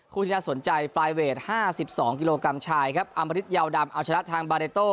ที่น่าสนใจไฟล์เวท๕๒กิโลกรัมชายครับอำมริตยาวดำเอาชนะทางบาเรโต้